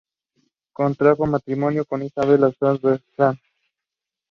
Vera Ivanova is the recipient of several awards.